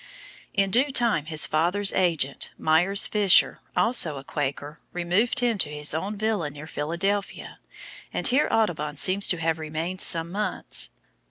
In due time his father's agent, Miers Fisher, also a Quaker, removed him to his own villa near Philadelphia, and here Audubon seems to have remained some months.